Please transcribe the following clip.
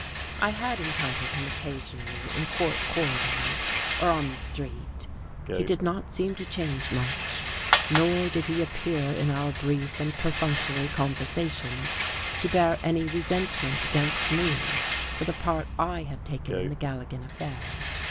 I had encountered him occasionally in court corridors or on the street; he did not seem to change much; nor did he appear in our brief and perfunctory conversations to bear any resentment against me for the part I had taken in the Galligan affair.